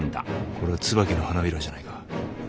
これは椿の花びらじゃないか。